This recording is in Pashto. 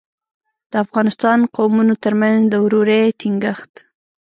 د افغانستان قومونو ترمنځ د ورورۍ ټینګښت.